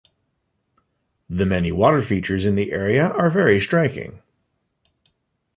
The many water features in the area are very striking.